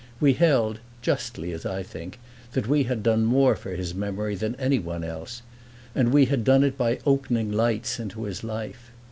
We held, justly, as I think, that we had done more for his memory than anyone else, and we had done it by opening lights into his life.